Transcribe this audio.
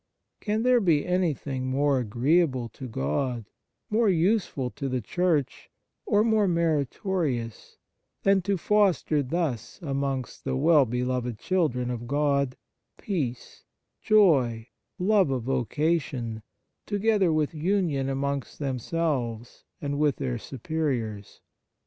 Can there be any thing more agreeable to God, more useful to the Church, or more meritorious, than to foster thus amongst the well beloved children of God peace, joy, love of vocation, together with union amongst themselves and with their superiors